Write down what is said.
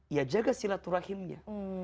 ya jaga silaturahimnya